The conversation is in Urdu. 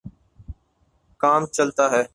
کام چلتا ہے۔